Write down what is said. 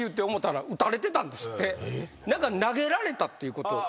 何か投げられたっていうことあります？